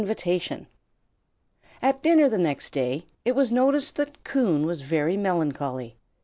CHAPTER IV. AT dinner the next day, it was noticed that Coon was very melancholy.